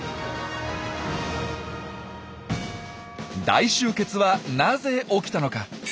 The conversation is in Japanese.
大集結はなぜ起きたのか？